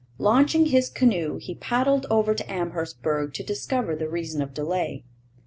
Launching his canoe, he paddled over to Amherstburg to discover the reason of delay.